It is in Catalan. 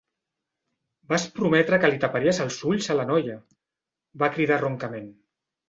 "Vas prometre que li taparies els ulls a la noia!", va cridar roncament.